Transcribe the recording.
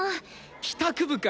帰宅部か。